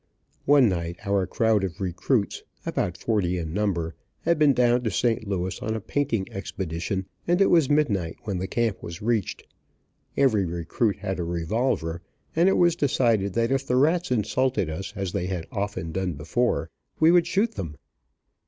One night our crowd of recruits, about forty in number, had been down to St. Louis on a painting expedition, and it was midnight when camp was reached. Every recruit had a revolver, and it was decided that if the rats insulted us, as they had often done before, we would shoot them.